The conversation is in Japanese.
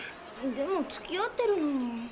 でもつきあってるのに。